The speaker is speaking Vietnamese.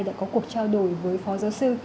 đã có cuộc trao đổi với phó giáo sư